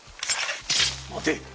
待て！